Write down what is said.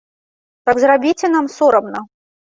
Так зрабіце нам сорамна!